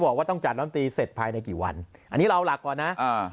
บอกว่าต้องจัดลำตีเสร็จภายในกี่วันอันนี้เราเอาหลักก่อนนะอ่า